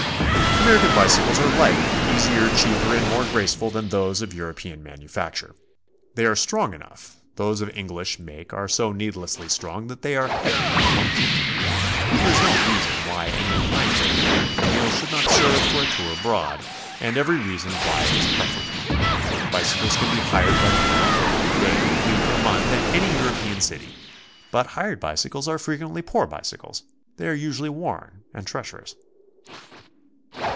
American bicycles are lighter, easier, cheaper, and more graceful than those of European manufacture. They are strong enough; those of English make are so needlessly strong that they are heavy and clumsy. There is no reason why any high grade American wheel should not serve for a tour abroad, and every reason why it is preferable. Bicycles can be hired by the hour, day, week or month in any Euro pean city, but hired bicycles are frequently poor bicycles; they are usually worn and treacherous.